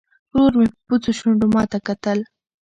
ورور مې په بوڅو شونډو ماته کتل.